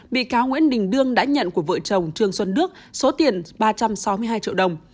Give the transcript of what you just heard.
bị cáo nguyễn đình đương đã nhận của vợ chồng trương xuân đức số tiền ba trăm sáu mươi hai triệu đồng